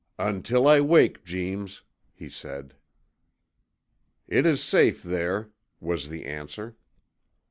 'Until I wake, Jeems!' he said. 'It is safe there,' was the answer.